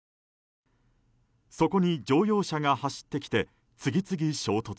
そこに乗用車が走ってきて次々衝突。